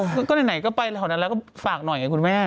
คือก็ไหนก็ไปแล้วก็ฝากหน่อยกับคุณแม่